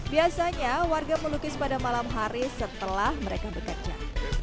biasanya warga melukis pada malam hari setelah mereka bekerja